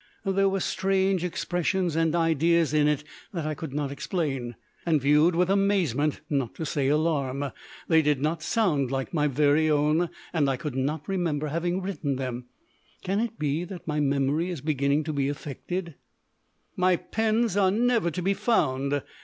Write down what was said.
There were strange expressions and ideas in it that I could not explain, and viewed with amazement, not to say alarm. They did not sound like my very own, and I could not remember having written them. Can it be that my memory is beginning to be affected? My pens are never to be found.